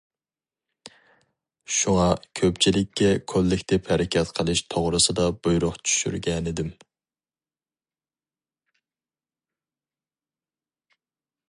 شۇڭا كۆپچىلىككە كوللېكتىپ ھەرىكەت قىلىش توغرىسىدا بۇيرۇق چۈشۈرگەنىدىم.